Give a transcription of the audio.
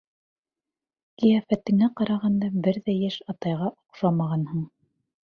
Ҡиәфәтеңә ҡарағанда, бер ҙә йәш атайға оҡшамағанһың.